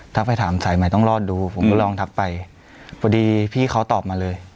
ไปถามสายใหม่ต้องรอดดูผมก็ลองทักไปพอดีพี่เขาตอบมาเลย